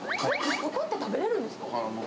ここって食べれるんですか？